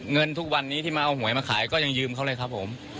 เงินทุกวันนี้ที่มาเอาหวยมาขายก็ยังยืมเขาเลยครับผม